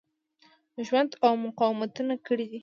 ژوند او مقاومتونه کړي دي.